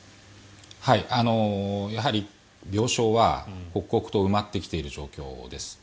やはり、病床は刻々と埋まってきてる状況です。